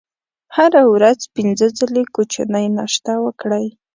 هره ورځ پنځه ځلې کوچنۍ ناشته وکړئ.